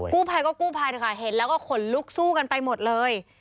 กู้ภัยก็กู้ภัยนะคะเห็นแล้วก็ขนลุกสู้กันไปหมดเลย